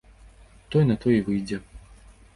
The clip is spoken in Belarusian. Тое на тое і выйдзе.